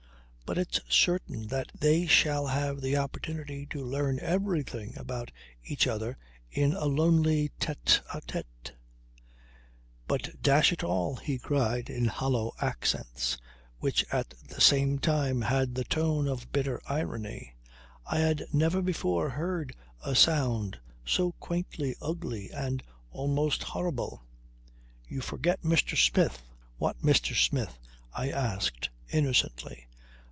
But it's certain that they shall have the opportunity to learn everything about each other in a lonely tete a tete." "But dash it all," he cried in hollow accents which at the same time had the tone of bitter irony I had never before heard a sound so quaintly ugly and almost horrible "You forget Mr. Smith." "What Mr. Smith?" I asked innocently.